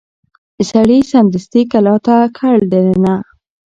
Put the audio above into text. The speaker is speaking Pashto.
سړي سمدستي کلا ته کړ دننه